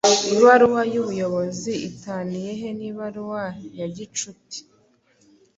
Ibaruwa y’ubuyobozi itaniye he n’ibaruwa ya gicuti?